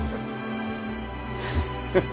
フフ。